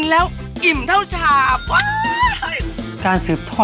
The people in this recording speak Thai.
ดูแล้วคงไม่รอดเพราะเราคู่กัน